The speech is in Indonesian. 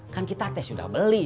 kan kita tes sudah beli